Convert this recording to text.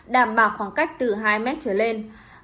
đảm bảo khoảng cách từ hai m trở lên